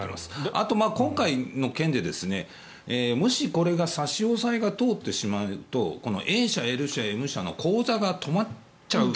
あと今回の件で、もし、これが差し押さえが通ってしまうとＡ社、Ｌ社、Ｍ社の口座が止まっちゃう。